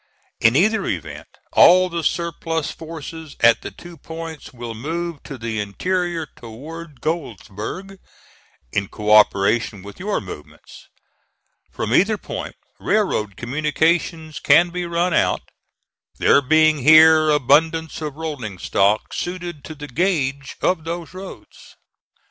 In either event, all the surplus forces at the two points will move to the interior toward Goldsboro' in co operation with your movements. From either point, railroad communications can be run out, there being here abundance of rolling stock suited to the gauge of those roads.